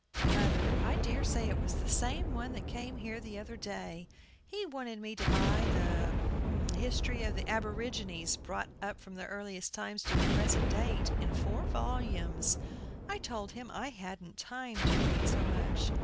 MOTHER. I dare say it was the same one that came here the other day. He wanted me to buy the "History of the Aborigines, Brought up from Earliest Times to the Present Date," in four volumes. I told him I hadn't time to read so much.